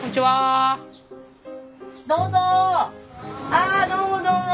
あっどうもどうも。